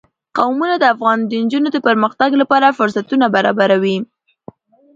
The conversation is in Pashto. قومونه د افغان نجونو د پرمختګ لپاره فرصتونه برابروي.